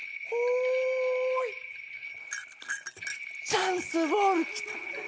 チャンスボール来た！